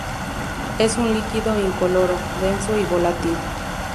Es un líquido incoloro, denso y volátil.